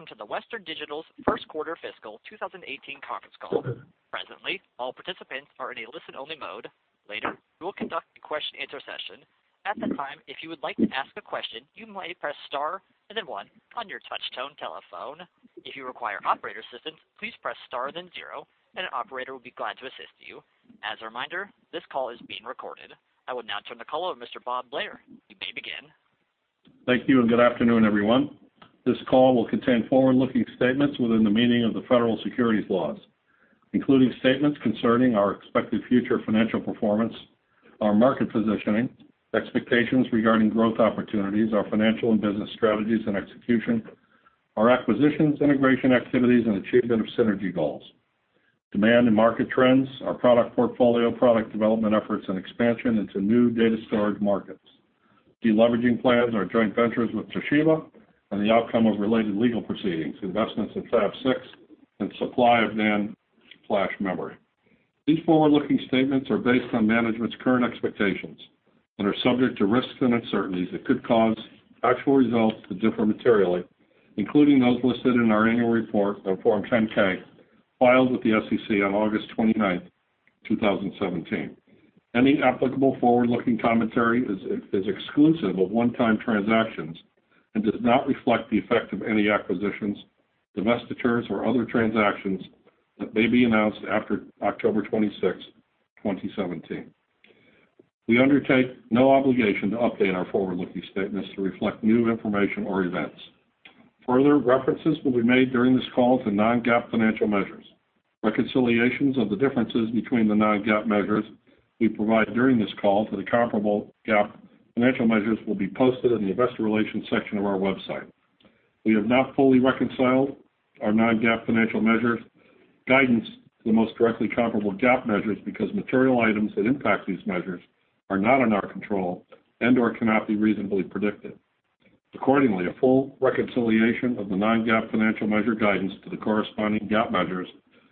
Welcome to the Western Digital's first quarter fiscal 2018 conference call. Presently, all participants are in a listen-only mode. Later, we will conduct a question and answer session. At that time, if you would like to ask a question, you may press star and then one on your touch-tone telephone. If you require operator assistance, please press star then zero, and an operator will be glad to assist you. As a reminder, this call is being recorded. I will now turn the call over to Mr. Bob Blair. You may begin. Thank you, and good afternoon, everyone. This call will contain forward-looking statements within the meaning of the federal securities laws, including statements concerning our expected future financial performance, our market positioning, expectations regarding growth opportunities, our financial and business strategies and execution, our acquisitions, integration activities, and achievement of synergy goals, demand and market trends, our product portfolio, product development efforts, and expansion into new data storage markets, deleveraging plans, our joint ventures with Toshiba, and the outcome of related legal proceedings, investments in Fab 6, and supply of NAND flash memory. These forward-looking statements are based on management's current expectations and are subject to risks and uncertainties that could cause actual results to differ materially, including those listed in our annual report on Form 10-K filed with the SEC on August 29th, 2017. Any applicable forward-looking commentary is exclusive of one-time transactions and does not reflect the effect of any acquisitions, divestitures, or other transactions that may be announced after October 26, 2017. We undertake no obligation to update our forward-looking statements to reflect new information or events. Further references will be made during this call to non-GAAP financial measures. Reconciliations of the differences between the non-GAAP measures we provide during this call to the comparable GAAP financial measures will be posted in the investor relations section of our website. We have not fully reconciled our non-GAAP financial measure guidance to the most directly comparable GAAP measures because material items that impact these measures are not in our control and/or cannot be reasonably predicted. Accordingly, a full reconciliation of the non-GAAP financial measure guidance to the corresponding GAAP measures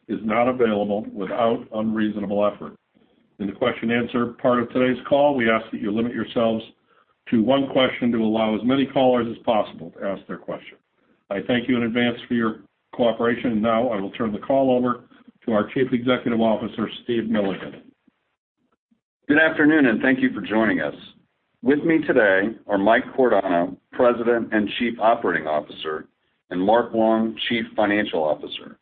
is not available without unreasonable effort. In the question and answer part of today's call, we ask that you limit yourselves to one question to allow as many callers as possible to ask their question. I thank you in advance for your cooperation. Now, I will turn the call over to our Chief Executive Officer, Steve Milligan. Good afternoon, and thank you for joining us. With me today are Mike Cordano, President and Chief Operating Officer, and Mark Long, Chief Financial Officer.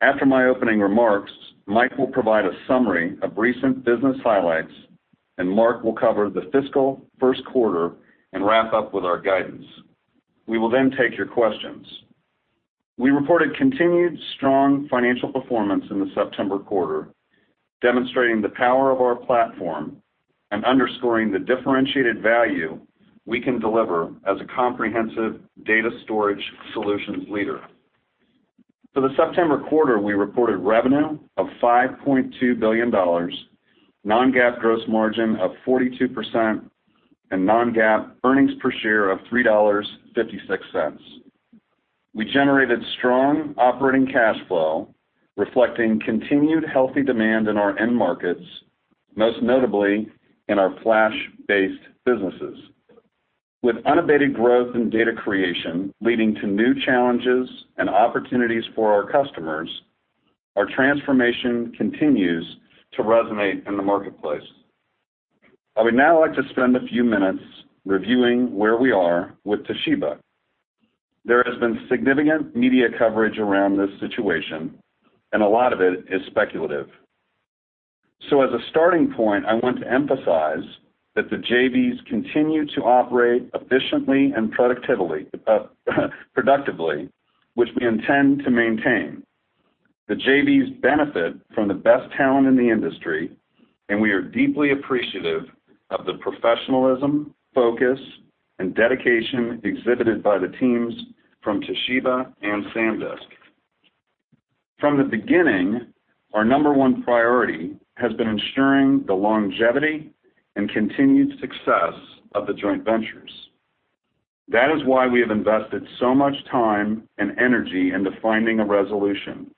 After my opening remarks, Mike will provide a summary of recent business highlights, and Mark will cover the fiscal first quarter and wrap up with our guidance. We will then take your questions. We reported continued strong financial performance in the September quarter, demonstrating the power of our platform and underscoring the differentiated value we can deliver as a comprehensive data storage solutions leader. For the September quarter, we reported revenue of $5.2 billion, non-GAAP gross margin of 42%, and non-GAAP earnings per share of $3.56. We generated strong operating cash flow, reflecting continued healthy demand in our end markets, most notably in our flash-based businesses. With unabated growth in data creation leading to new challenges and opportunities for our customers, our transformation continues to resonate in the marketplace. I would now like to spend a few minutes reviewing where we are with Toshiba. There has been significant media coverage around this situation, and a lot of it is speculative. As a starting point, I want to emphasize that the JVs continue to operate efficiently and productively, which we intend to maintain. The JVs benefit from the best talent in the industry, and we are deeply appreciative of the professionalism, focus, and dedication exhibited by the teams from Toshiba and SanDisk. From the beginning, our number one priority has been ensuring the longevity and continued success of the joint ventures. That is why we have invested so much time and energy into finding a resolution,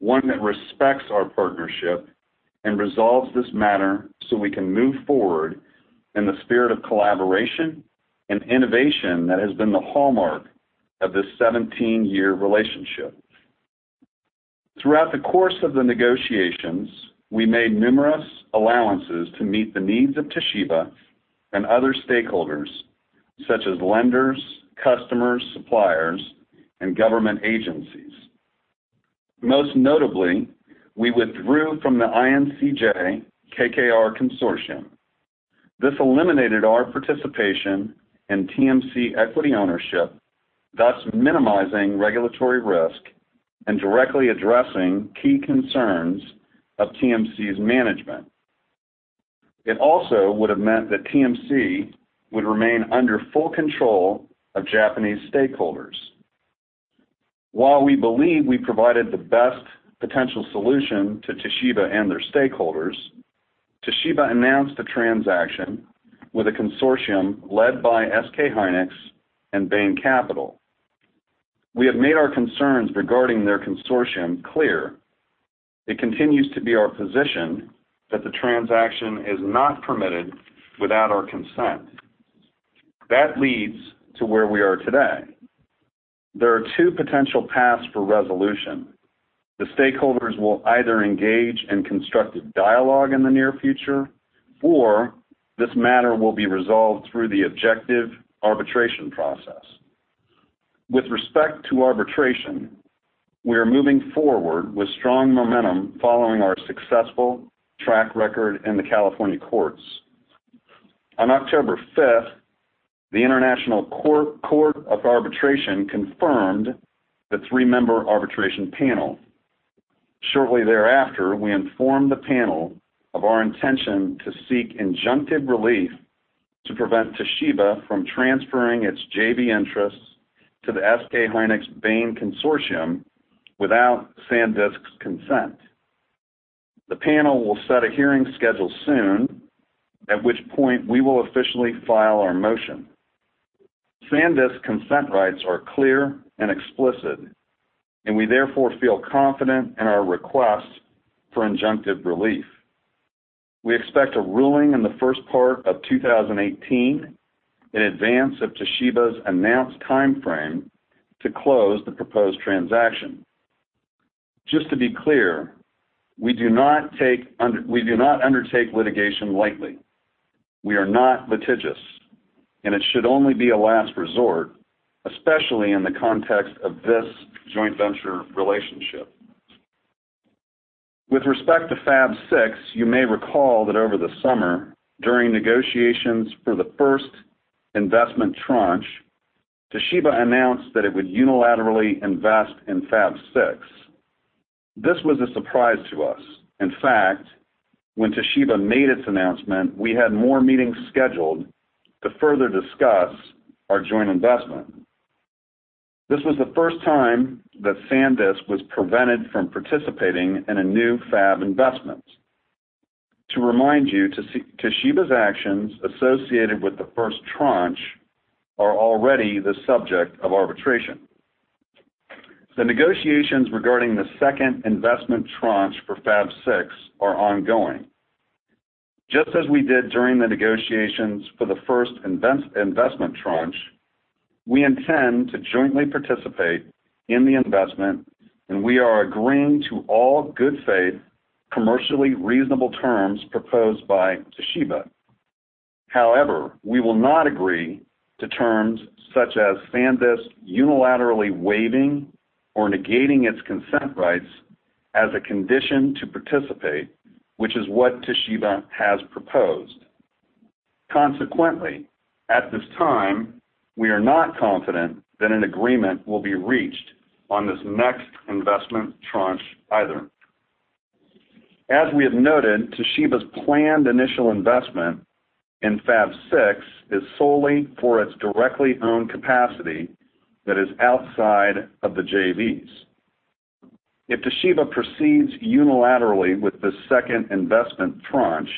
one that respects our partnership and resolves this matter so we can move forward in the spirit of collaboration and innovation that has been the hallmark of this 17-year relationship. Throughout the course of the negotiations, we made numerous allowances to meet the needs of Toshiba and other stakeholders, such as lenders, customers, suppliers, and government agencies. Most notably, we withdrew from the INCJ KKR consortium. This eliminated our participation in TMC equity ownership, thus minimizing regulatory risk and directly addressing key concerns of TMC's management. It also would have meant that TMC would remain under full control of Japanese stakeholders. While we believe we provided the best potential solution to Toshiba and their stakeholders, Toshiba announced a transaction with a consortium led by SK hynix and Bain Capital. We have made our concerns regarding their consortium clear. It continues to be our position that the transaction is not permitted without our consent. That leads to where we are today. There are two potential paths for resolution. The stakeholders will either engage in constructive dialogue in the near future, or this matter will be resolved through the objective arbitration process. With respect to arbitration, we are moving forward with strong momentum following our successful track record in the California courts. On October 5th, the International Court of Arbitration confirmed the three-member arbitration panel. Shortly thereafter, we informed the panel of our intention to seek injunctive relief to prevent Toshiba from transferring its JV interests to the SK hynix Bain consortium without SanDisk's consent. The panel will set a hearing schedule soon, at which point we will officially file our motion. SanDisk's consent rights are clear and explicit. We therefore feel confident in our request for injunctive relief. We expect a ruling in the first part of 2018 in advance of Toshiba's announced timeframe to close the proposed transaction. Just to be clear, we do not undertake litigation lightly. We are not litigious. It should only be a last resort, especially in the context of this joint venture relationship. With respect to Fab Six, you may recall that over the summer, during negotiations for the first investment tranche, Toshiba announced that it would unilaterally invest in Fab Six. This was a surprise to us. In fact, when Toshiba made its announcement, we had more meetings scheduled to further discuss our joint investment. This was the first time that SanDisk was prevented from participating in a new fab investment. To remind you, Toshiba's actions associated with the first tranche are already the subject of arbitration. The negotiations regarding the second investment tranche for Fab Six are ongoing. Just as we did during the negotiations for the first investment tranche, we intend to jointly participate in the investment. We are agreeing to all good faith, commercially reasonable terms proposed by Toshiba. However, we will not agree to terms such as SanDisk unilaterally waiving or negating its consent rights as a condition to participate, which is what Toshiba has proposed. Consequently, at this time, we are not confident that an agreement will be reached on this next investment tranche either. As we have noted, Toshiba's planned initial investment in Fab Six is solely for its directly owned capacity that is outside of the JVs. If Toshiba proceeds unilaterally with the second investment tranche,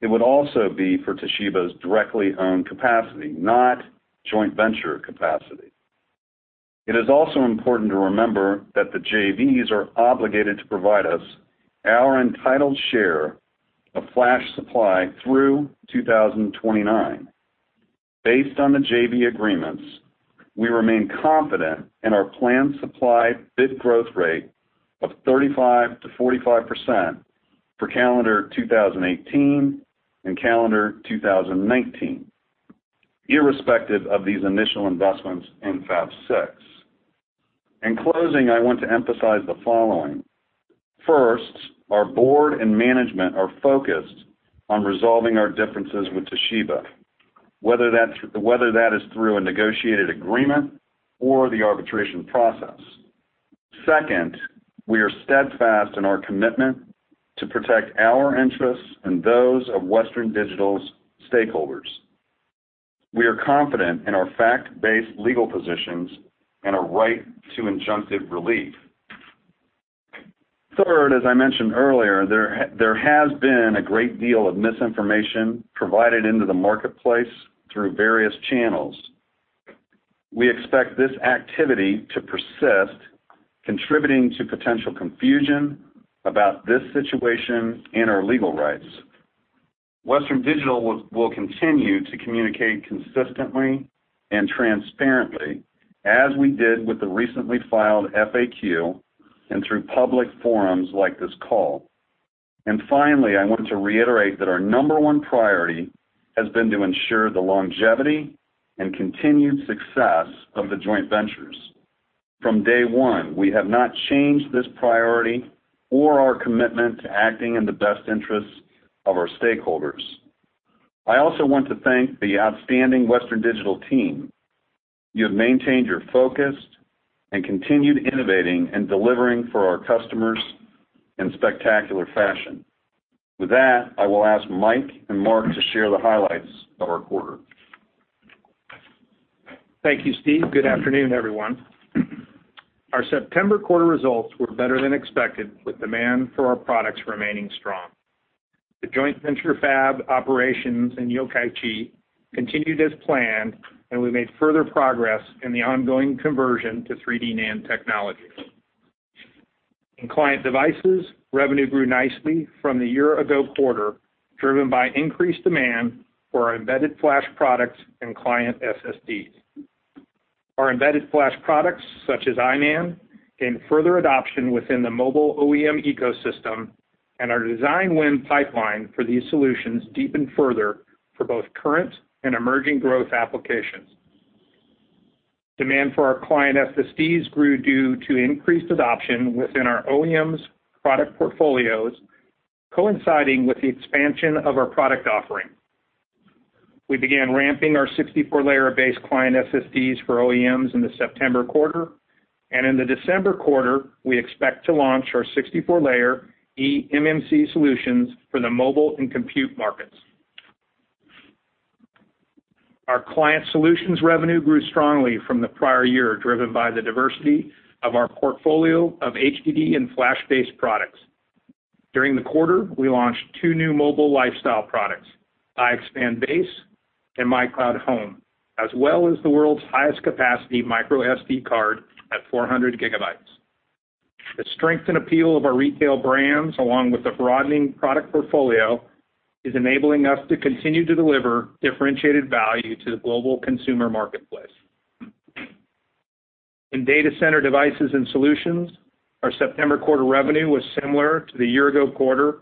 it would also be for Toshiba's directly owned capacity, not joint venture capacity. It is also important to remember that the JVs are obligated to provide us our entitled share of flash supply through 2029. Based on the JV agreements, we remain confident in our planned supply bit growth rate of 35%-45% for calendar 2018 and calendar 2019, irrespective of these initial investments in Fab Six. In closing, I want to emphasize the following. First, our board and management are focused on resolving our differences with Toshiba, whether that is through a negotiated agreement or the arbitration process. Second, we are steadfast in our commitment to protect our interests and those of Western Digital's stakeholders. We are confident in our fact-based legal positions and our right to injunctive relief. Third, as I mentioned earlier, there has been a great deal of misinformation provided into the marketplace through various channels. We expect this activity to persist, contributing to potential confusion about this situation and our legal rights. Western Digital will continue to communicate consistently and transparently, as we did with the recently filed FAQ and through public forums like this call. Finally, I want to reiterate that our number one priority has been to ensure the longevity and continued success of the joint ventures. From day one, we have not changed this priority or our commitment to acting in the best interests of our stakeholders. I also want to thank the outstanding Western Digital team. You have maintained your focus and continued innovating and delivering for our customers in spectacular fashion. With that, I will ask Mike and Mark to share the highlights of our quarter. Thank you, Steve. Good afternoon, everyone. Our September quarter results were better than expected, with demand for our products remaining strong. The joint venture fab operations in Yokkaichi continued as planned, and we made further progress in the ongoing conversion to 3D NAND technology. In client devices, revenue grew nicely from the year-ago quarter, driven by increased demand for our embedded flash products and client SSDs. Our embedded flash products, such as iNAND, gained further adoption within the mobile OEM ecosystem, and our design win pipeline for these solutions deepened further for both current and emerging growth applications. Demand for our client SSDs grew due to increased adoption within our OEMs' product portfolios, coinciding with the expansion of our product offering. We began ramping our 64-layer-based client SSDs for OEMs in the September quarter, and in the December quarter, we expect to launch our 64-layer eMMC solutions for the mobile and compute markets. Our client solutions revenue grew strongly from the prior year, driven by the diversity of our portfolio of HDD and flash-based products. During the quarter, we launched two new mobile lifestyle products, iXpand Base and My Cloud Home, as well as the world's highest capacity microSD card at 400 gigabytes. The strength and appeal of our retail brands, along with the broadening product portfolio, is enabling us to continue to deliver differentiated value to the global consumer marketplace. In data center devices and solutions, our September quarter revenue was similar to the year-ago quarter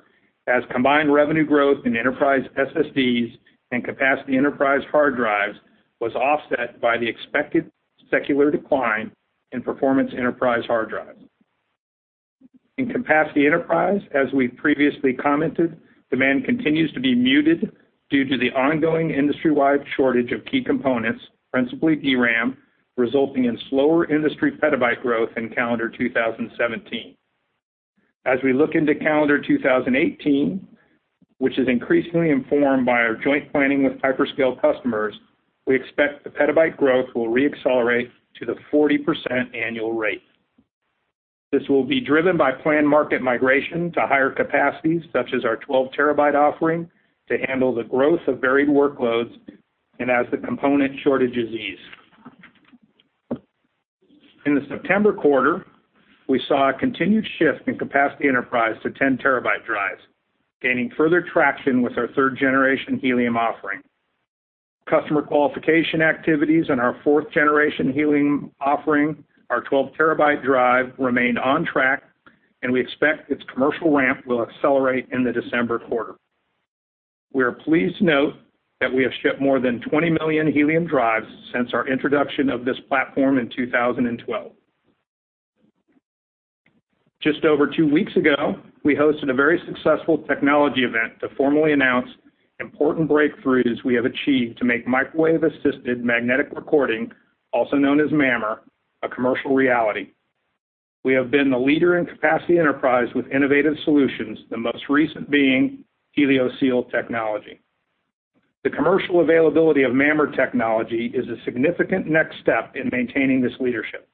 as combined revenue growth in enterprise SSDs and capacity enterprise hard drives was offset by the expected secular decline in performance enterprise hard drives. In capacity enterprise, as we've previously commented, demand continues to be muted due to the ongoing industry-wide shortage of key components, principally DRAM, resulting in slower industry petabyte growth in calendar 2017. As we look into calendar 2018, which is increasingly informed by our joint planning with hyperscale customers, we expect the petabyte growth will re-accelerate to the 40% annual rate. This will be driven by planned market migration to higher capacities, such as our 12 terabyte offering, to handle the growth of varied workloads and as the component shortages ease. In the September quarter, we saw a continued shift in capacity enterprise to 10 terabyte drives, gaining further traction with our third-generation Helium offering. Customer qualification activities in our fourth generation Helium offering, our 12 terabyte drive, remained on track, and we expect its commercial ramp will accelerate in the December quarter. We are pleased to note that we have shipped more than 20 million Helium drives since our introduction of this platform in 2012. Just over two weeks ago, we hosted a very successful technology event to formally announce important breakthroughs we have achieved to make microwave-assisted magnetic recording, also known as MAMR, a commercial reality. We have been the leader in capacity enterprise with innovative solutions, the most recent being HelioSeal technology. The commercial availability of MAMR technology is a significant next step in maintaining this leadership.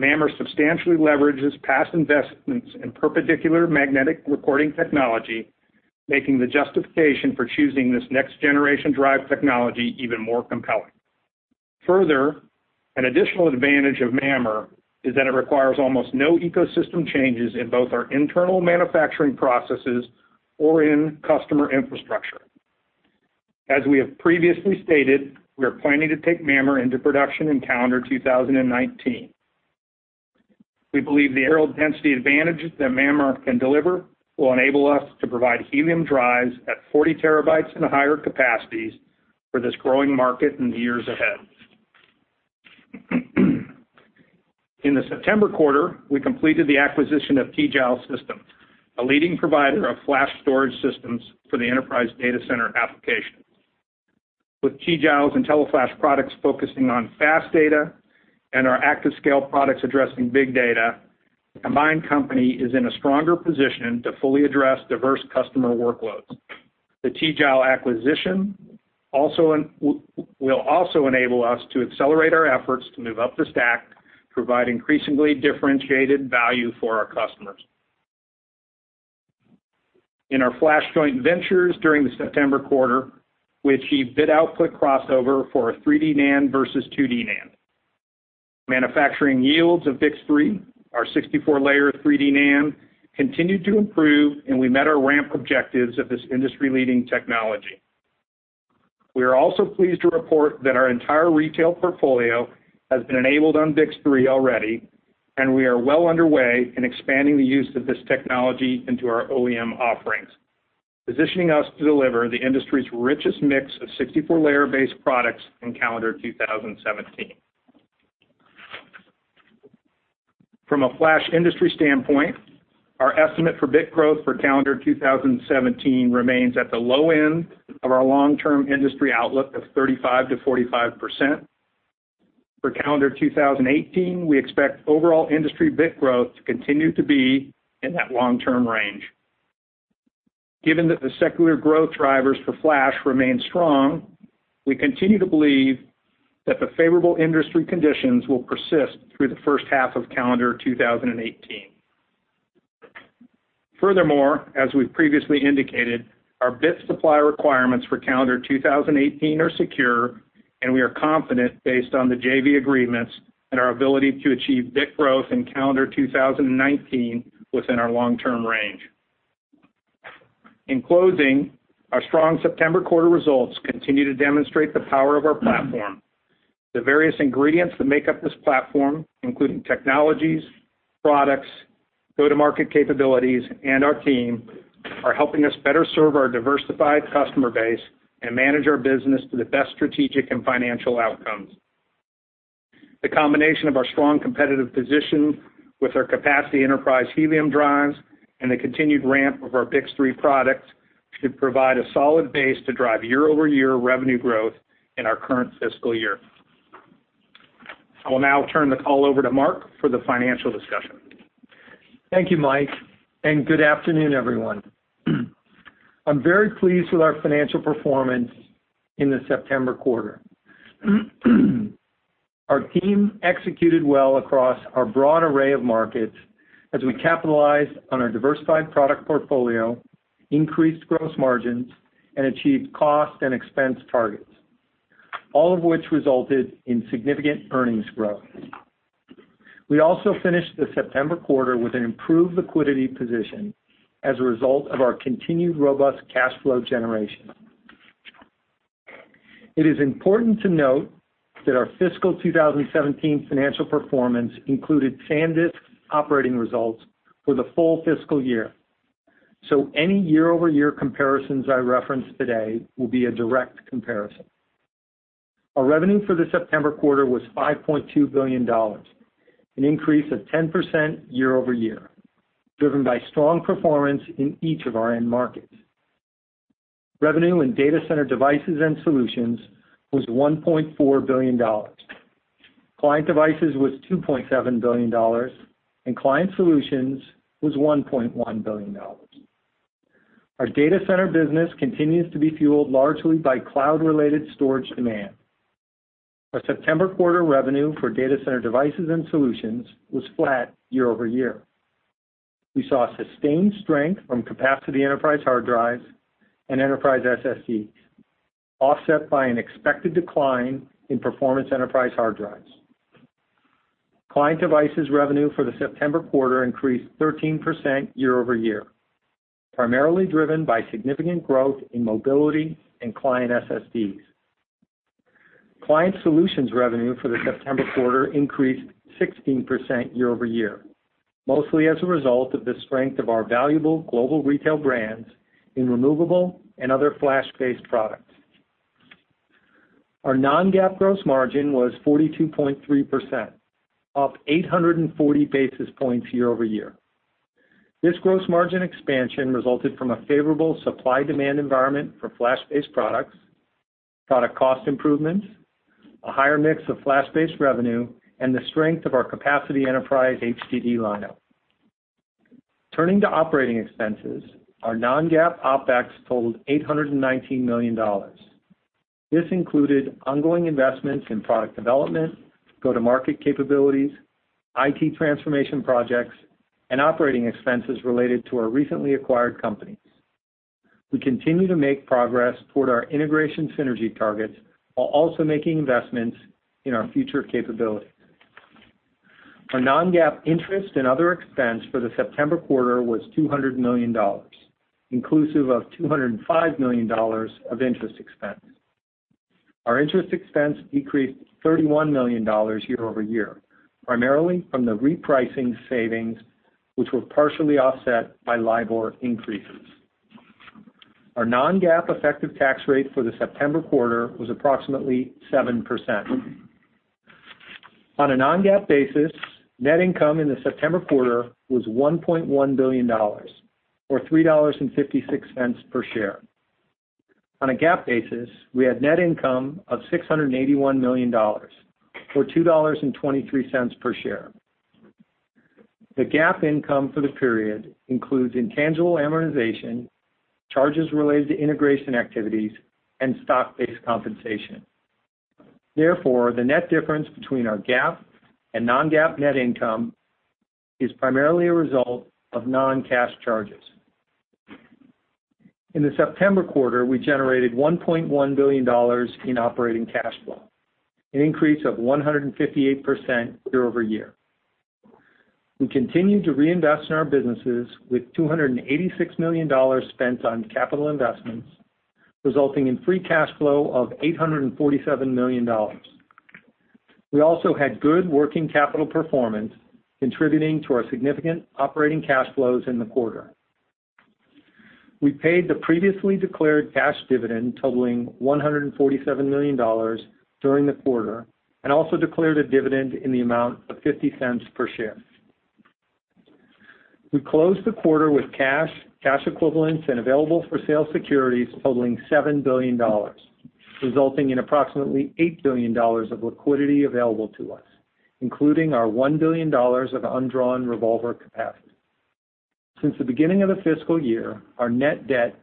MAMR substantially leverages past investments in perpendicular magnetic recording technology, making the justification for choosing this next-generation drive technology even more compelling. Further, an additional advantage of MAMR is that it requires almost no ecosystem changes in both our internal manufacturing processes or in customer infrastructure. As we have previously stated, we are planning to take MAMR into production in calendar 2019. We believe the areal density advantage that MAMR can deliver will enable us to provide Helium drives at 40 terabytes and higher capacities for this growing market in the years ahead. In the September quarter, we completed the acquisition of Tegile Systems, a leading provider of flash storage systems for the enterprise data center applications. With Tegile's IntelliFlash products focusing on fast data and our ActiveScale products addressing big data, the combined company is in a stronger position to fully address diverse customer workloads. The Tegile acquisition will also enable us to accelerate our efforts to move up the stack, provide increasingly differentiated value for our customers. In our flash joint ventures during the September quarter, we achieved bit output crossover for our 3D NAND versus 2D NAND. Manufacturing yields of BiCS3, our 64-layer 3D NAND, continued to improve, and we met our ramp objectives of this industry-leading technology. We are also pleased to report that our entire retail portfolio has been enabled on BiCS3 already, and we are well underway in expanding the use of this technology into our OEM offerings, positioning us to deliver the industry's richest mix of 64-layer-based products in calendar 2017. From a flash industry standpoint, our estimate for bit growth for calendar 2017 remains at the low end of our long-term industry outlook of 35%-45%. For calendar 2018, we expect overall industry bit growth to continue to be in that long-term range. Given that the secular growth drivers for flash remain strong, we continue to believe that the favorable industry conditions will persist through the first half of calendar 2018. As we've previously indicated, our bit supply requirements for calendar 2018 are secure, and we are confident based on the JV agreements and our ability to achieve bit growth in calendar 2019 within our long-term range. In closing, our strong September quarter results continue to demonstrate the power of our platform. The various ingredients that make up this platform, including technologies, products, go-to-market capabilities, and our team, are helping us better serve our diversified customer base and manage our business to the best strategic and financial outcomes. The combination of our strong competitive position with our capacity enterprise Helium drives and the continued ramp of our BiCS3 product should provide a solid base to drive year-over-year revenue growth in our current fiscal year. I will now turn the call over to Mark for the financial discussion. Thank you, Mike, and good afternoon, everyone. I am very pleased with our financial performance in the September quarter. Our team executed well across our broad array of markets as we capitalized on our diversified product portfolio, increased gross margins, and achieved cost and expense targets, all of which resulted in significant earnings growth. We also finished the September quarter with an improved liquidity position as a result of our continued robust cash flow generation. It is important to note that our fiscal 2017 financial performance included SanDisk operating results for the full fiscal year. Any year-over-year comparisons I reference today will be a direct comparison. Our revenue for the September quarter was $5.2 billion, an increase of 10% year-over-year, driven by strong performance in each of our end markets. Revenue in data center devices and solutions was $1.4 billion. Client devices was $2.7 billion. Client solutions was $1.1 billion. Our data center business continues to be fueled largely by cloud-related storage demand. Our September quarter revenue for data center devices and solutions was flat year-over-year. We saw sustained strength from capacity enterprise hard drives and enterprise SSDs, offset by an expected decline in performance enterprise hard drives. Client devices revenue for the September quarter increased 13% year-over-year, primarily driven by significant growth in mobility and client SSDs. Client solutions revenue for the September quarter increased 16% year-over-year, mostly as a result of the strength of our valuable global retail brands in removable and other flash-based products. Our non-GAAP gross margin was 42.3%, up 840 basis points year-over-year. This gross margin expansion resulted from a favorable supply-demand environment for flash-based products, product cost improvements, a higher mix of flash-based revenue, and the strength of our capacity enterprise HDD lineup. Turning to operating expenses, our non-GAAP OpEx totaled $819 million. This included ongoing investments in product development, go-to-market capabilities, IT transformation projects, and operating expenses related to our recently acquired companies. We continue to make progress toward our integration synergy targets while also making investments in our future capabilities. Our non-GAAP interest and other expense for the September quarter was $200 million, inclusive of $205 million of interest expense. Our interest expense decreased $31 million year-over-year, primarily from the repricing savings, which were partially offset by LIBOR increases. Our non-GAAP effective tax rate for the September quarter was approximately 7%. On a non-GAAP basis, net income in the September quarter was $1.1 billion, or $3.56 per share. On a GAAP basis, we had net income of $681 million, or $2.23 per share. The GAAP income for the period includes intangible amortization, charges related to integration activities, and stock-based compensation. The net difference between our GAAP and non-GAAP net income is primarily a result of non-cash charges. In the September quarter, we generated $1.1 billion in operating cash flow, an increase of 158% year-over-year. We continue to reinvest in our businesses with $286 million spent on capital investments, resulting in free cash flow of $847 million. We also had good working capital performance contributing to our significant operating cash flows in the quarter. We paid the previously declared cash dividend totaling $147 million during the quarter and also declared a dividend in the amount of $0.50 per share. We closed the quarter with cash equivalents, and available-for-sale securities totaling $7 billion, resulting in approximately $8 billion of liquidity available to us, including our $1 billion of undrawn revolver capacity. Since the beginning of the fiscal year, our net debt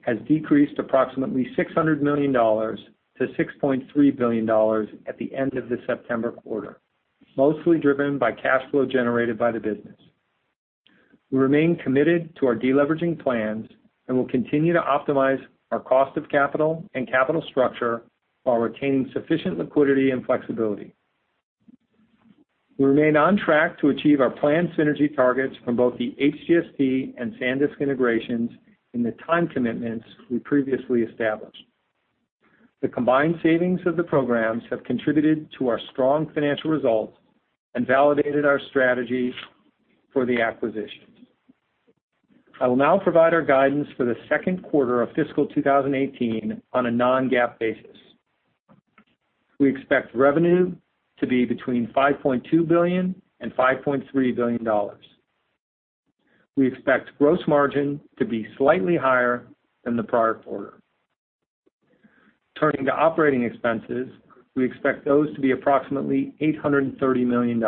has decreased approximately $600 million to $6.3 billion at the end of the September quarter, mostly driven by cash flow generated by the business. We remain committed to our de-leveraging plans and will continue to optimize our cost of capital and capital structure while retaining sufficient liquidity and flexibility. We remain on track to achieve our planned synergy targets from both the HGST and SanDisk integrations in the time commitments we previously established. The combined savings of the programs have contributed to our strong financial results and validated our strategy for the acquisitions. I will now provide our guidance for the second quarter of fiscal 2018 on a non-GAAP basis. We expect revenue to be between $5.2 billion and $5.3 billion. We expect gross margin to be slightly higher than the prior quarter. Turning to operating expenses, we expect those to be approximately $830 million.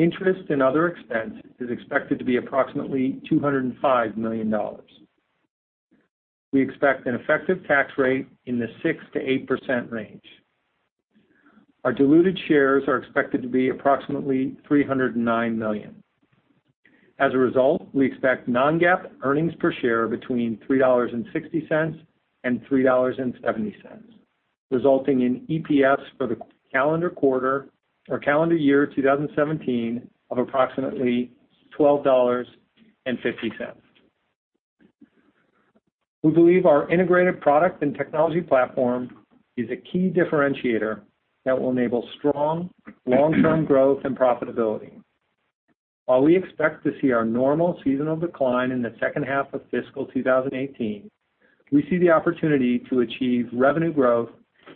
Interest and other expense is expected to be approximately $205 million. We expect an effective tax rate in the 6%-8% range. Our diluted shares are expected to be approximately 309 million. As a result, we expect non-GAAP earnings per share between $3.60 and $3.70, resulting in EPS for the calendar year 2017 of approximately $12.50. We believe our integrated product and technology platform is a key differentiator that will enable strong long-term growth and profitability. While we expect to see our normal seasonal decline in the second half of fiscal 2018, we see the opportunity to achieve revenue growth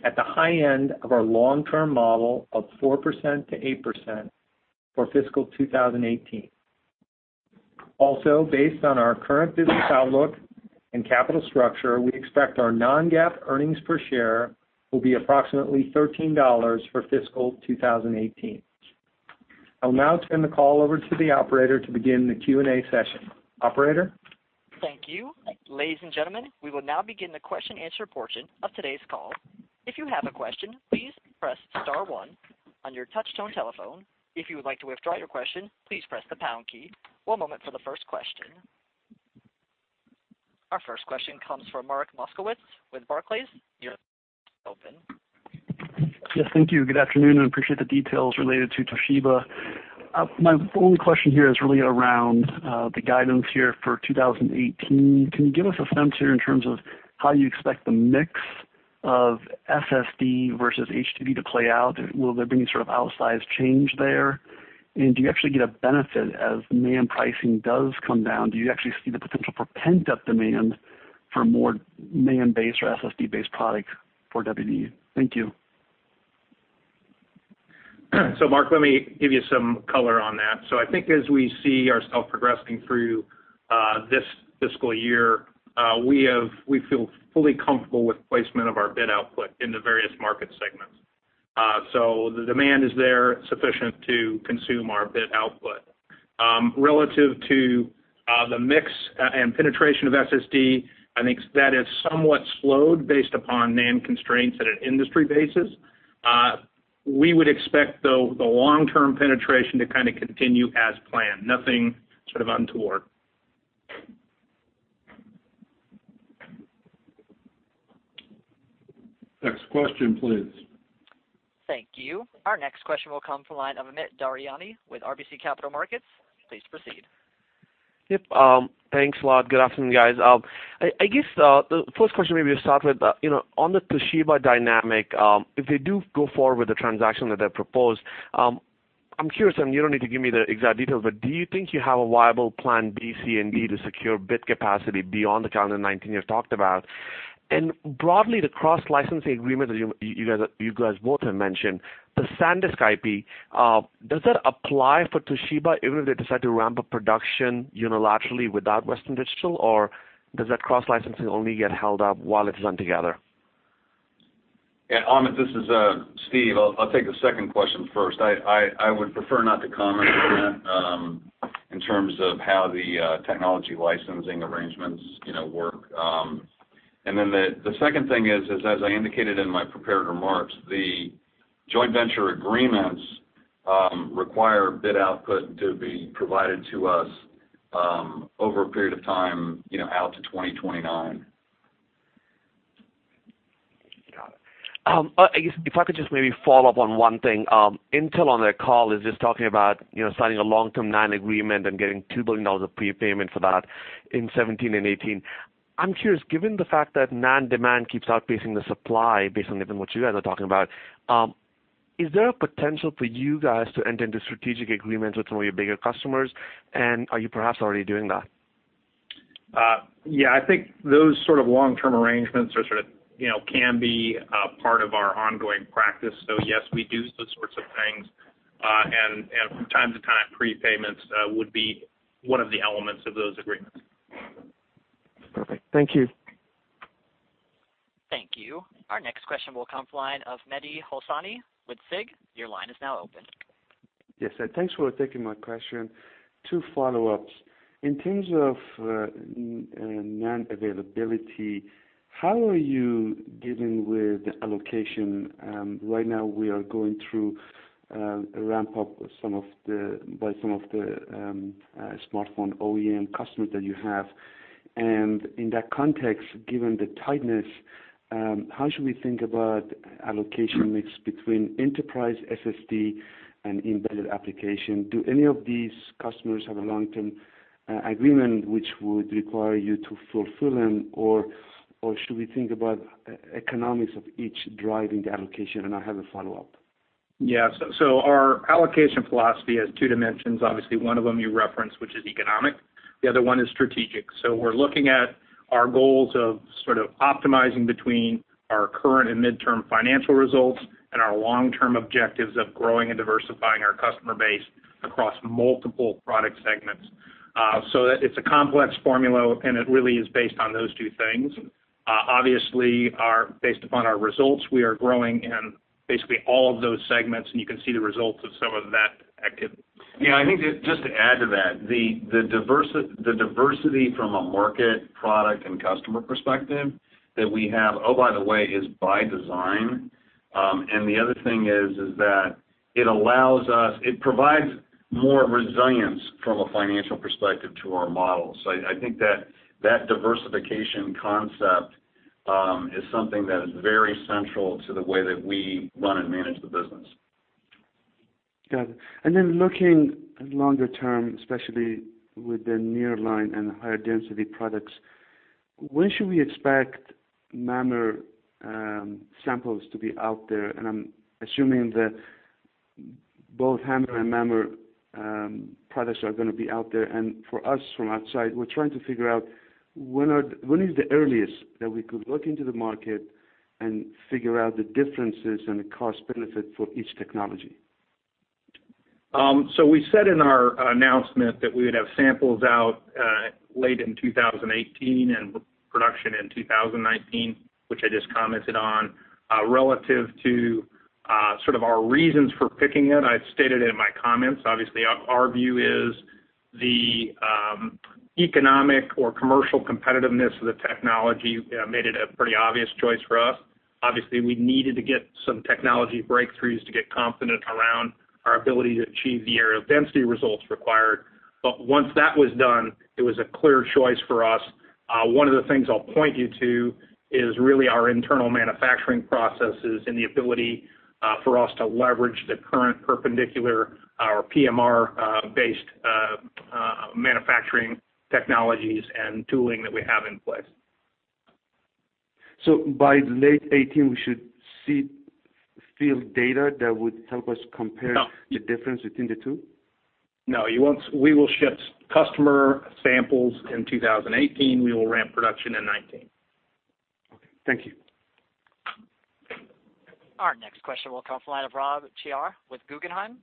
at the high end of our long-term model of 4%-8% for fiscal 2018. Based on our current business outlook and capital structure, we expect our non-GAAP earnings per share will be approximately $13 for fiscal 2018. I'll now turn the call over to the operator to begin the Q&A session. Operator? Thank you. Ladies and gentlemen, we will now begin the question and answer portion of today's call. If you have a question, please press *1 on your touch-tone telephone. If you would like to withdraw your question, please press the # key. One moment for the first question. Our first question comes from Mark Moskowitz with Barclays. Your line is open. Yes, thank you. Good afternoon. Appreciate the details related to Toshiba. My only question here is really around the guidance here for 2018. Can you give us a sense here in terms of how you expect the mix of SSD versus HDD to play out? Will there be any sort of outsized change there? Do you actually get a benefit as NAND pricing does come down? Do you actually see the potential for pent-up demand for more NAND-based or SSD-based products for WD? Thank you. Mark, let me give you some color on that. I think as we see ourself progressing through this fiscal year, we feel fully comfortable with the placement of our bit output in the various market segments. The demand is there sufficient to consume our bit output. Relative to the mix and penetration of SSD, I think that has somewhat slowed based upon NAND constraints at an industry basis. We would expect, though, the long-term penetration to continue as planned. Nothing sort of untoward. Next question, please. Thank you. Our next question will come from the line of Amit Daryanani with RBC Capital Markets. Please proceed. Yes. Thanks a lot. Good afternoon, guys. I guess the first question maybe to start with on the Toshiba dynamic if they do go forward with the transaction that they've proposed, I'm curious, and you don't need to give me the exact details, but do you think you have a viable plan B, C, and D to secure bit capacity beyond the calendar 2019 you've talked about? Broadly, the cross-licensing agreement that you guys both have mentioned, the SanDisk IP, does that apply for Toshiba even if they decide to ramp up production unilaterally without Western Digital? Or does that cross-licensing only get held up while it's done together? Yeah, Amit, this is Steve. I'll take the second question first. I would prefer not to comment on that in terms of how the technology licensing arrangements work. The second thing is, as I indicated in my prepared remarks, the joint venture agreements require bit output to be provided to us over a period of time out to 2029. Got it. I guess if I could just maybe follow up on one thing. Intel on their call is just talking about signing a long-term NAND agreement and getting $2 billion of prepayment for that in 2017 and 2018. I'm curious, given the fact that NAND demand keeps outpacing the supply based on what you guys are talking about, is there a potential for you guys to enter into strategic agreements with some of your bigger customers? Are you perhaps already doing that? Yeah, I think those sort of long-term arrangements can be a part of our ongoing practice. Yes, we do those sorts of things. From time to time, prepayments would be one of the elements of those agreements. Perfect. Thank you. Our next question will come from the line of Mehdi Hosseini with SIG. Your line is now open. Yes. Thanks for taking my question. Two follow-ups. In terms of NAND availability, how are you dealing with allocation? Right now, we are going through a ramp-up by some of the smartphone OEM customers that you have. In that context, given the tightness, how should we think about allocation mix between enterprise SSD and embedded application? Do any of these customers have a long-term agreement which would require you to fulfill them, or should we think about economics of each driving the allocation? I have a follow-up. Yeah. Our allocation philosophy has two dimensions. Obviously, one of them you referenced, which is economic, the other one is strategic. We're looking at our goals of sort of optimizing between our current and midterm financial results and our long-term objectives of growing and diversifying our customer base across multiple product segments. It's a complex formula, it really is based on those two things. Obviously, based upon our results, we are growing in basically all of those segments, you can see the results of some of that activity. Yeah, I think just to add to that, the diversity from a market, product, and customer perspective that we have, oh, by the way, is by design. The other thing is that it provides more resilience from a financial perspective to our model. I think that diversification concept is something that is very central to the way that we run and manage the business. Got it. Then looking longer term, especially with the nearline and the higher density products, when should we expect MAMR samples to be out there? I'm assuming that both HAMR and MAMR products are going to be out there. For us from outside, we're trying to figure out when is the earliest that we could look into the market and figure out the differences and the cost benefit for each technology. We said in our announcement that we would have samples out late in 2018 and production in 2019, which I just commented on. Relative to our reasons for picking it, I stated it in my comments. Obviously, our view is the economic or commercial competitiveness of the technology made it a pretty obvious choice for us. Obviously, we needed to get some technology breakthroughs to get confident around our ability to achieve the area density results required. Once that was done, it was a clear choice for us. One of the things I'll point you to is really our internal manufacturing processes and the ability for us to leverage the current perpendicular, our PMR-based manufacturing technologies and tooling that we have in place. By late 2018, we should see field data that would help us compare- No the difference between the two? No. We will ship customer samples in 2018. We will ramp production in 2019. Okay. Thank you. Our next question will come from the line of Rob Cihra with Guggenheim.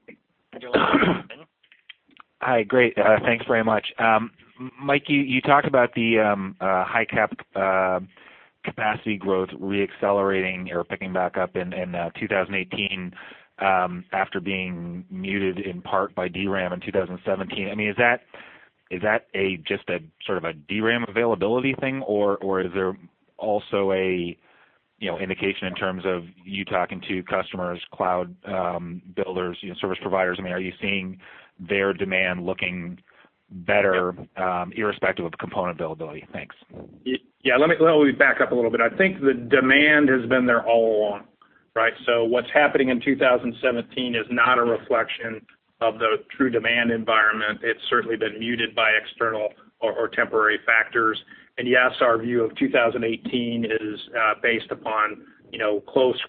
Your line is open. Hi. Great. Thanks very much. Mike, you talked about the high-cap capacity growth re-accelerating or picking back up in 2018, after being muted in part by DRAM in 2017. Is that just a sort of a DRAM availability thing, or is there also an indication in terms of you talking to customers, cloud builders, service providers? Are you seeing their demand looking better, irrespective of component availability? Thanks. Yeah. Let me back up a little bit. I think the demand has been there all along, right? What's happening in 2017 is not a reflection of the true demand environment. It's certainly been muted by external or temporary factors. Yes, our view of 2018 is based upon close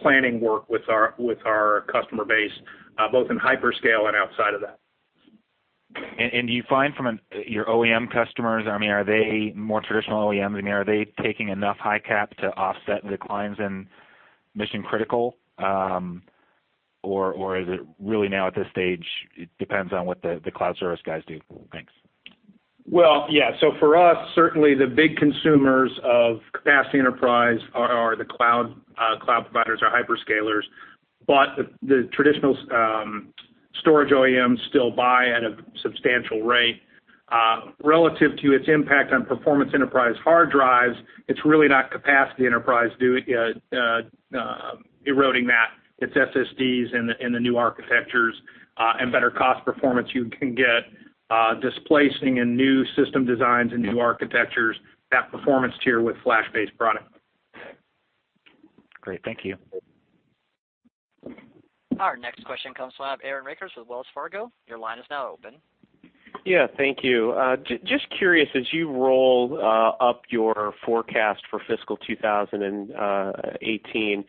planning work with our customer base, both in hyperscale and outside of that. Do you find from your OEM customers, are they more traditional OEMs? Are they taking enough high-cap to offset the declines in mission-critical, or is it really now at this stage, it depends on what the cloud service guys do? Thanks. Well, yeah. For us, certainly the big consumers of capacity enterprise are the cloud providers or hyperscalers. The traditional storage OEMs still buy at a substantial rate. Relative to its impact on performance enterprise hard drives, it's really not capacity enterprise eroding that. It's SSDs and the new architectures, and better cost performance you can get, displacing in new system designs and new architectures, that performance tier with flash-based product. Great. Thank you. Our next question comes from the line of Aaron Rakers with Wells Fargo. Your line is now open. Yeah. Thank you. Just curious, as you roll up your forecast for fiscal 2018,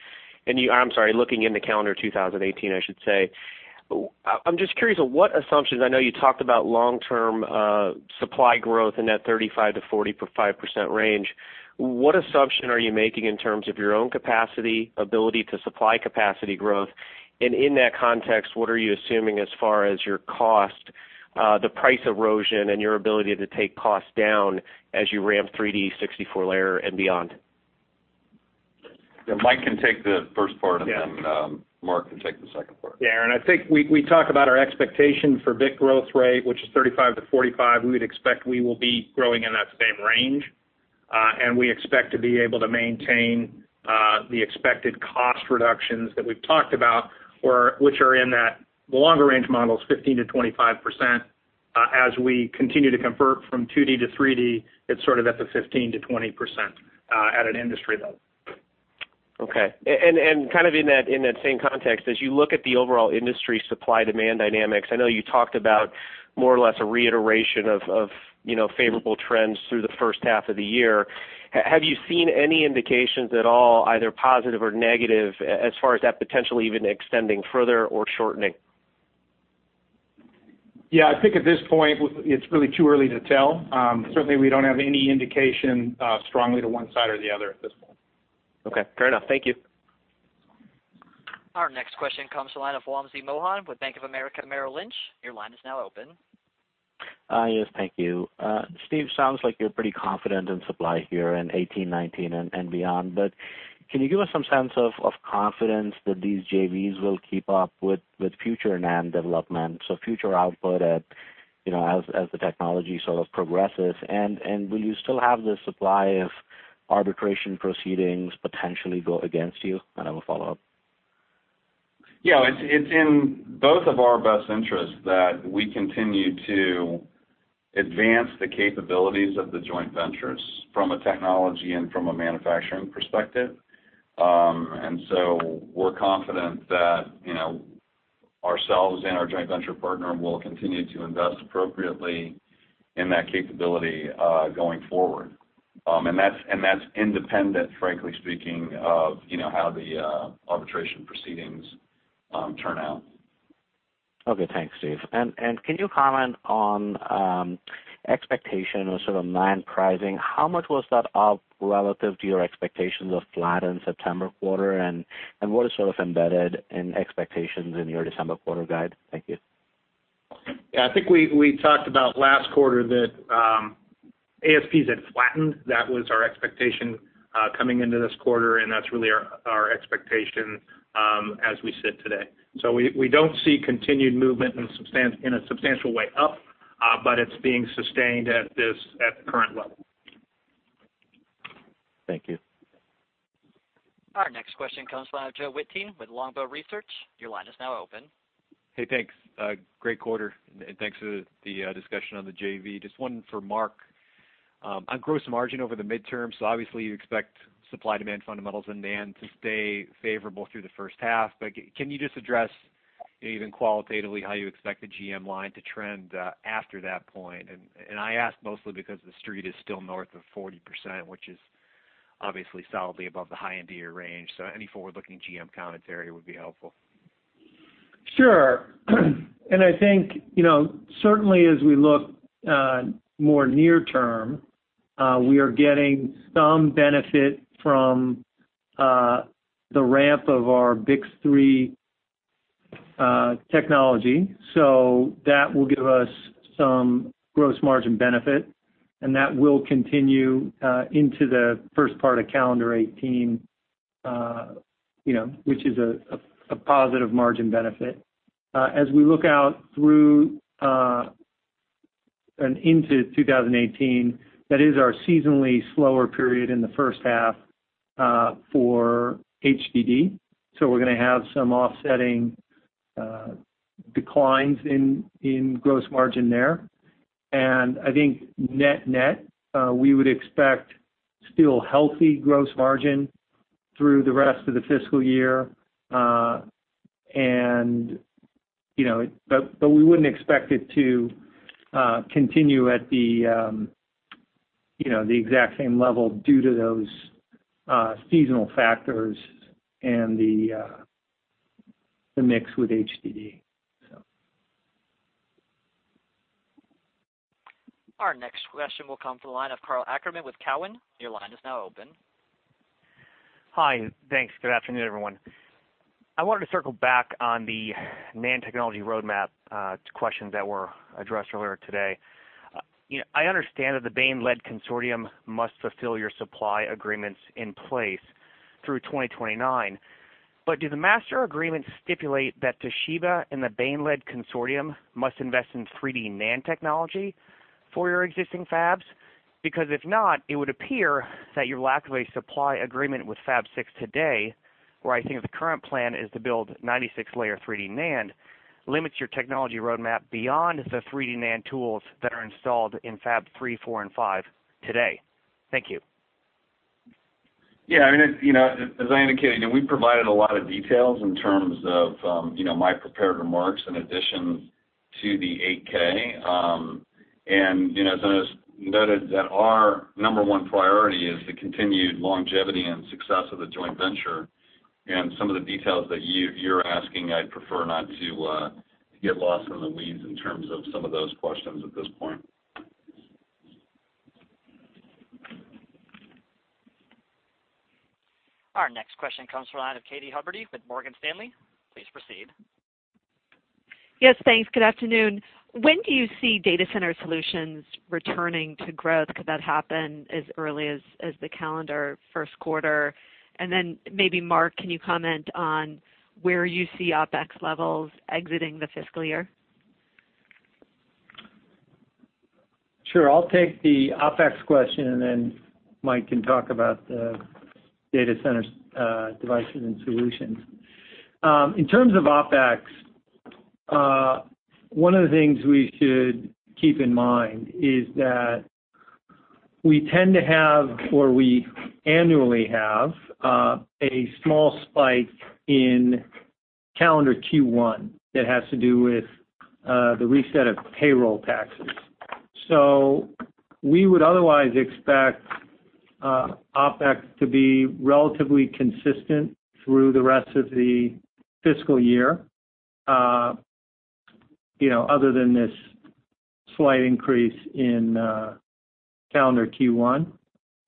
and I'm sorry, looking into calendar 2018, I should say. I'm just curious of what assumptions, I know you talked about long-term supply growth in that 35%-45% range. What assumption are you making in terms of your own capacity, ability to supply capacity growth, and in that context, what are you assuming as far as your cost the price erosion and your ability to take costs down as you ramp 3D 64-layer and beyond. Yeah. Mike can take the first part. Yeah Then Mark can take the second part. I think we talk about our expectation for bit growth rate, which is 35%-45%. We would expect we will be growing in that same range, and we expect to be able to maintain the expected cost reductions that we've talked about, which are in that longer range models 15%-25%. As we continue to convert from 2D to 3D, it's sort of at the 15%-20% at an industry level. Okay. In that same context, as you look at the overall industry supply-demand dynamics, I know you talked about more or less a reiteration of favorable trends through the first half of the year. Have you seen any indications at all, either positive or negative, as far as that potentially even extending further or shortening? I think at this point, it's really too early to tell. Certainly, we don't have any indication strongly to one side or the other at this point. Okay. Fair enough. Thank you. Our next question comes to the line of Wamsi Mohan with Bank of America Merrill Lynch. Your line is now open. Yes, thank you. Steve, sounds like you're pretty confident in supply here in 2018, 2019, and beyond, but can you give us some sense of confidence that these JVs will keep up with future NAND development, so future output as the technology sort of progresses? Will you still have the supply if arbitration proceedings potentially go against you? I have a follow-up. Yeah, it's in both of our best interests that we continue to advance the capabilities of the joint ventures from a technology and from a manufacturing perspective. We're confident that ourselves and our joint venture partner will continue to invest appropriately in that capability going forward. That's independent, frankly speaking, of how the arbitration proceedings turn out. Okay, thanks, Steve. Can you comment on expectation or sort of NAND pricing, how much was that up relative to your expectations of flat in September quarter, and what is sort of embedded in expectations in your December quarter guide? Thank you. Yeah, I think we talked about last quarter that ASPs had flattened. That was our expectation coming into this quarter, and that's really our expectation as we sit today. We don't see continued movement in a substantial way up, but it's being sustained at the current level. Thank you. Our next question comes from Joe Wittine with Longbow Research. Your line is now open. Hey, thanks. Great quarter. Thanks for the discussion on the JV. Just one for Mark. On gross margin over the midterm, obviously you expect supply-demand fundamentals in NAND to stay favorable through the first half. Can you just address even qualitatively how you expect the GM line to trend after that point? I ask mostly because the street is still north of 40%, which is obviously solidly above the high end of your range. Any forward-looking GM commentary would be helpful. Sure. I think, certainly as we look more near term, we are getting some benefit from the ramp of our BiCS3 technology. That will give us some gross margin benefit, and that will continue into the first part of calendar 2018, which is a positive margin benefit. As we look out through and into 2018, that is our seasonally slower period in the first half for HDD. We're going to have some offsetting declines in gross margin there. I think net-net, we would expect still healthy gross margin through the rest of the fiscal year. We wouldn't expect it to continue at the exact same level due to those seasonal factors and the mix with HDD. Our next question will come from the line of Karl Ackerman with Cowen. Your line is now open. Hi. Thanks. Good afternoon, everyone. I wanted to circle back on the NAND technology roadmap to questions that were addressed earlier today. I understand that the Bain-led consortium must fulfill your supply agreements in place through 2029. Do the master agreements stipulate that Toshiba and the Bain-led consortium must invest in 3D NAND technology for your existing fabs? If not, it would appear that your lack of a supply agreement with Fab 6 today, where I think the current plan is to build 96-layer 3D NAND, limits your technology roadmap beyond the 3D NAND tools that are installed in Fab 3, 4, and 5 today. Thank you. Yeah, as I indicated, we provided a lot of details in terms of my prepared remarks in addition to the 8-K. As I noted that our number one priority is the continued longevity and success of the joint venture, some of the details that you're asking, I'd prefer not to get lost in the weeds in terms of some of those questions at this point. Our next question comes from the line of Katy Huberty with Morgan Stanley. Please proceed. Yes, thanks. Good afternoon. When do you see data center solutions returning to growth? Could that happen as early as the calendar first quarter? Then maybe Mark, can you comment on where you see OpEx levels exiting the fiscal year? Sure. I'll take the OpEx question, then Mike can talk about the data center devices and solutions. In terms of OpEx, one of the things we should keep in mind is that we tend to have, or we annually have, a small spike in calendar Q1 that has to do with the reset of payroll taxes. We would otherwise expect OpEx to be relatively consistent through the rest of the fiscal year, other than this slight increase in calendar Q1.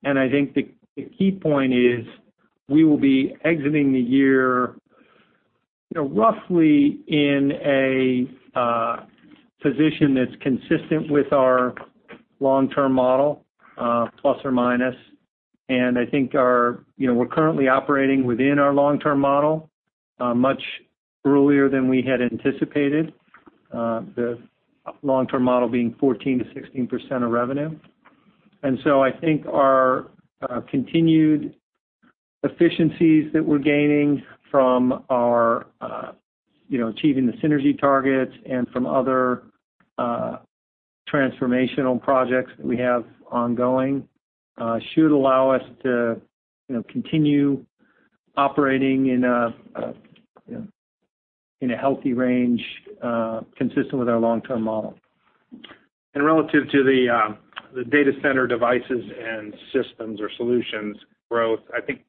I think the key point is we will be exiting the year roughly in a position that's consistent with our long-term model, plus or minus. I think we're currently operating within our long-term model much earlier than we had anticipated, the long-term model being 14%-16% of revenue. I think our continued efficiencies that we're gaining from our achieving the synergy targets and from other transformational projects that we have ongoing should allow us to continue operating in a healthy range consistent with our long-term model. Relative to the data center devices and systems or solutions growth, I think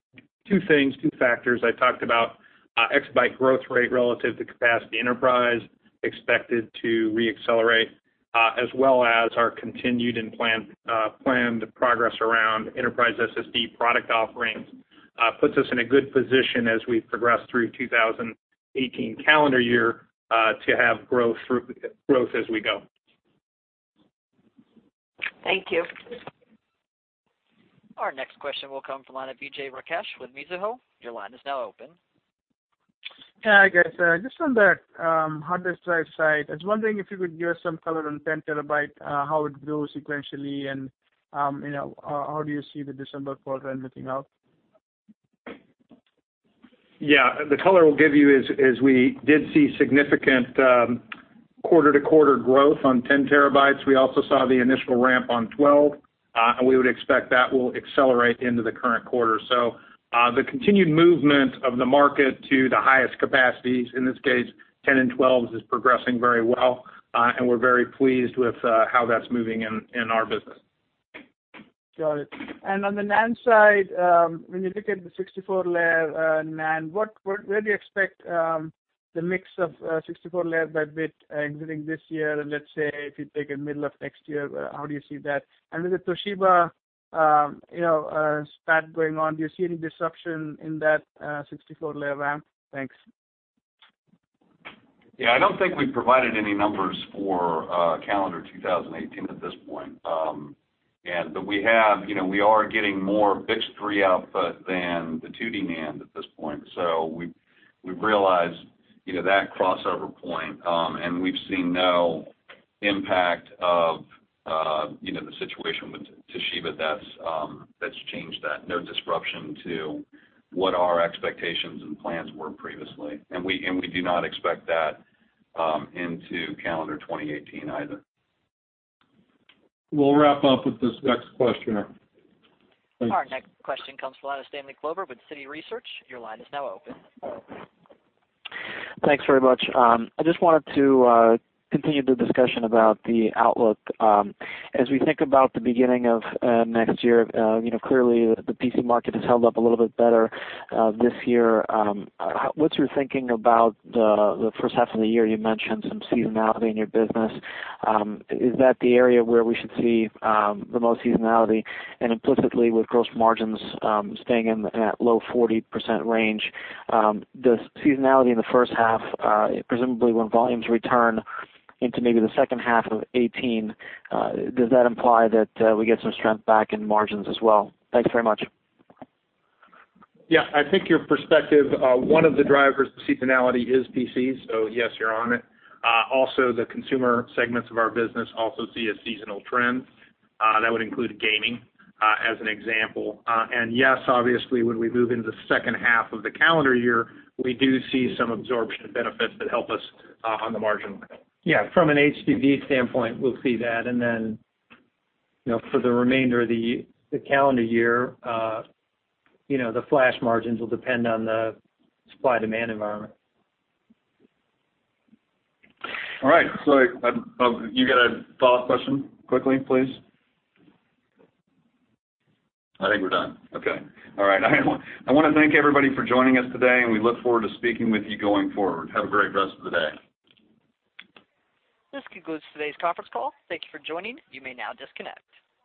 two things, two factors I talked about, exabyte growth rate relative to capacity enterprise expected to re-accelerate as well as our continued and planned progress around enterprise SSD product offerings puts us in a good position as we progress through 2018 calendar year to have growth as we go. Thank you. Our next question will come from the line of Vijay Rakesh with Mizuho. Your line is now open. Hi, guys. Just on the hard disk drive side, I was wondering if you could give us some color on 10 TB, how it grew sequentially and how do you see the December quarter ending out? Yeah. The color we'll give you is we did see significant quarter-to-quarter growth on 10 TB. We also saw the initial ramp on 12, and we would expect that will accelerate into the current quarter. The continued movement of the market to the highest capacities, in this case 10 and 12, is progressing very well, and we're very pleased with how that's moving in our business. Got it. On the NAND side, when you look at the 64 layer NAND, where do you expect the mix of 64 layer by bit exiting this year, and let's say, if you take it middle of next year, how do you see that? With the Toshiba spat going on, do you see any disruption in that 64 layer ramp? Thanks. Yeah, I don't think we've provided any numbers for calendar 2018 at this point. We are getting more BiCS3 output than the 2D NAND at this point. We've realized that crossover point, and we've seen no impact of the situation with Toshiba that's changed that. No disruption to what our expectations and plans were previously. We do not expect that into calendar 2018 either. We'll wrap up with this next question. Our next question comes from the line of Stan Kovler with Citi Research. Your line is now open. Thanks very much. I just wanted to continue the discussion about the outlook. As we think about the beginning of next year, clearly the PC market has held up a little bit better this year. What's your thinking about the first half of the year? You mentioned some seasonality in your business. Is that the area where we should see the most seasonality? Implicitly with gross margins staying in at low 40% range, does seasonality in the first half, presumably when volumes return into maybe the second half of 2018, does that imply that we get some strength back in margins as well? Thank you very much. Yeah, I think your perspective, one of the drivers of seasonality is PC, so yes, you're on it. The consumer segments of our business also see a seasonal trend. That would include gaming, as an example. Yes, obviously, when we move into the second half of the calendar year, we do see some absorption benefits that help us on the margin. Yeah, from an HDD standpoint, we'll see that, and then for the remainder of the calendar year the flash margins will depend on the supply-demand environment. All right. You got a follow-up question quickly, please? I think we're done. Okay. All right. I want to thank everybody for joining us today, and we look forward to speaking with you going forward. Have a great rest of the day. This concludes today's conference call. Thank you for joining. You may now disconnect.